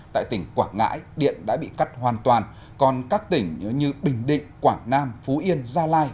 tại tỉnh quảng ngãi điện đã bị cắt hoàn toàn còn các tỉnh như bình định quảng nam phú yên gia lai